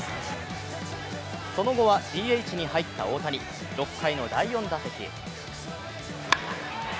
その後は、ＤＨに入った大谷６回の第４打席。